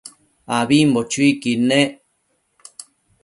ambimbo chuiquid nec